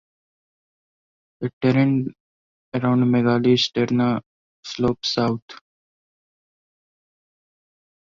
The terrain around Megali Sterna slopes south.